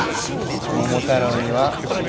桃太郎には。